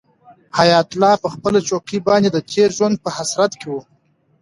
حیات الله په خپله چوکۍ باندې د تېر ژوند په حسرت کې و.